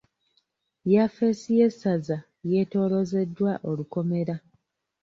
Yafesi y'essaza yetoolozeddwa olukomera.